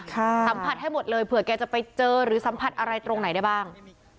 สัมผัสให้หมดเลยเผื่อแกจะไปเจอหรือสัมผัสอะไรตรงไหนได้บ้าง